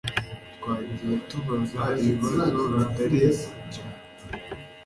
Twagiye tubaza ibibazo bitari byo.